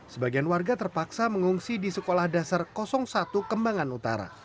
sebagian warga terpaksa mengungsi di sekolah dasar satu kembangan utara